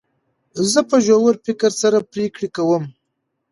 زه په ژور فکر سره پرېکړي کوم.